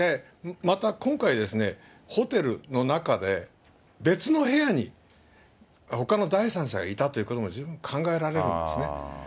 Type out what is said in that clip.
また今回、ホテルの中で別の部屋に、ほかの第三者がいたということも十分考えられるんですね。